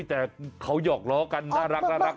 แต่เขาหยอกล้อกันน่ารัก